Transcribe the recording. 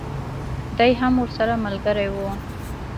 دی هم ورسره ملګری وو.